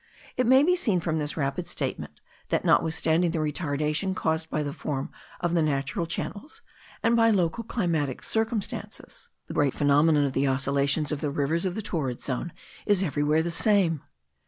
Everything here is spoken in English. It may be seen from this rapid statement, that, notwithstanding the retardation caused by the form of the natural channels, and by local climatic circumstances, the great phenomenon of the oscillations of the rivers of the torrid zone is everywhere the same.